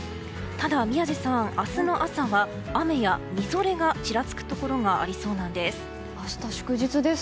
ただ宮司さん明日の朝は、雨やみぞれがちらつくところがありそうなんです。